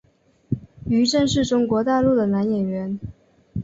于震是中国大陆的男演员。